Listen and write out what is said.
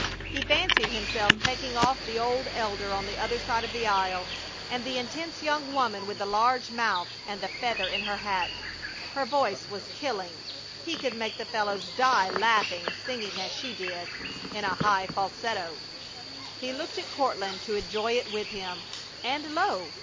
He fancied himself taking off the old elder on the other side of the aisle, and the intense young woman with the large mouth and the feather in her hat. Her voice was killing. He could make the fellows die laughing, singing as she did, in a high falsetto. He looked at Courtland to enjoy it with him, and lo!